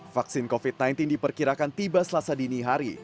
vaksin covid sembilan belas diperkirakan tiba selasa dini hari